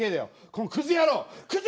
このクズ野郎クズ